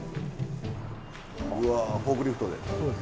うわフォークリフトで？